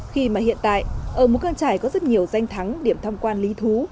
khi mà hiện tại ở ngũ căng trải có rất nhiều danh thắng điểm thăm quan lý thú